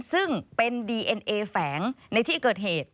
ซึ่งเป็นดีเอ็นเอแฝงในที่เกิดเหตุ